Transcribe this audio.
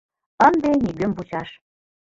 — Ынде нигӧм вучаш.